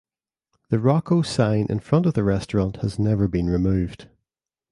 The Rocco sign in front of the restaurant has never been removed.